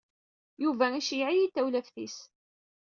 Yuba iceyyeɛ-iyi-d tawlaft-is.